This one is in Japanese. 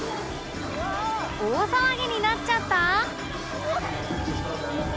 大騒ぎになっちゃった！？